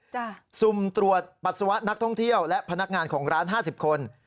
สุ่มตรวจปัสสาวะนักท่องเที่ยวและพนักงานของร้านห้าสิบคน